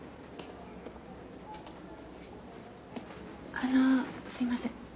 あのすみません。